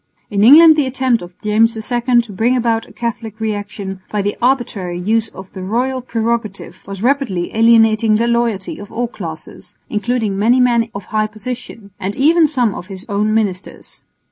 In England the attempt of James II to bring about a Catholic reaction by the arbitrary use of the royal prerogative was rapidly alienating the loyalty of all classes, including many men of high position, and even some of his own ministers.